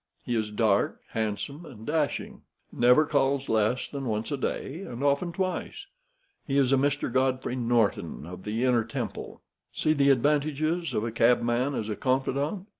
He is dark, handsome, and dashing; never calls less than once a day, and often twice. He is a Mr. Godfrey Norton of the Inner Temple. See the advantages of a cabman as a confidant.